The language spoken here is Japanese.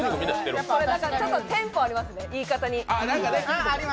ちょっとテンポありますね、言い方に。